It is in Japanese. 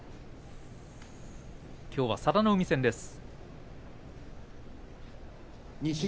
きょうは佐田の海戦です。